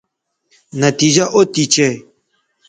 نتیجہ او تھی چہء